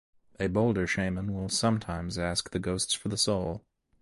A bolder shaman will sometimes ask the ghosts for the soul.